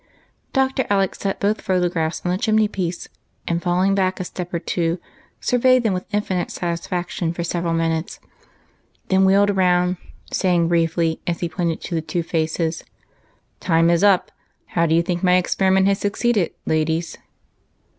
Dr. Alec set both photographs on the chimney piece, and, falling back a step or two, surveyed them with infinite satisfaction for several minutes, then wheeled round, saying briefly, as he pointed to the two faces, —" Time is up ; how do you think my experiment has succeeded, ladies?"